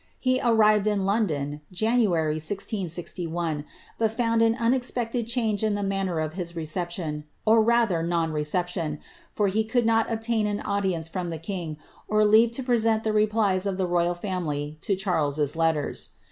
He arri?ed in I^ondon, Januar}', 1661, but found an unexpected change in the manner of his reception, or rather non reception, for he could not obtain an audience from the king, or leave to present the replies of the royal family to Charleses letters.